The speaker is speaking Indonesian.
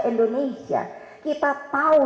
indonesia kita tahu